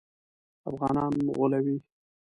افغانان غولوي.